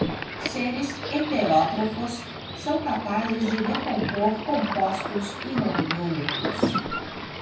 Seres heterótrofos são capazes de decompor compostos inorgânicos